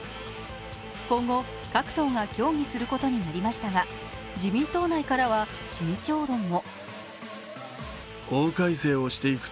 今後、各党が協議することになりましたが自民党内からは慎重論も。